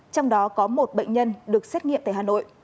trong đó có một bệnh nhân được xét nghiệm tại hà nội